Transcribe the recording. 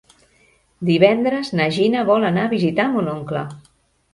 Divendres na Gina vol anar a visitar mon oncle.